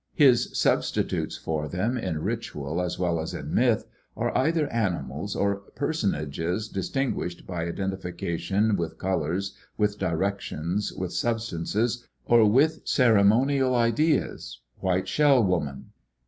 His substitutes for them in ritual as well as in myth are either animals or personages dis tinguished by identification with colors, with directions, with substances, or with ceremonial ideas White Shell Woman.